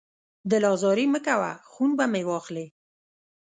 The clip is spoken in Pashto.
دل ازاري مه کوه، خون به مې واخلې